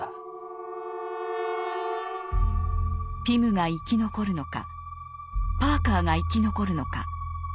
ピムが生き残るのかパーカーが生き残るのか。